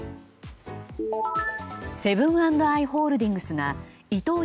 セブン＆アイ・ホールディングスがイトー